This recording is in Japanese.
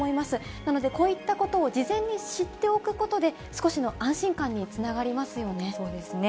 なので、こういったことを事前に知っておくことで、少しの安心感につながそうですね。